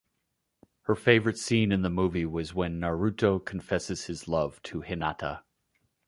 Her favorite scene in the movie was when Naruto confesses his love to Hinata.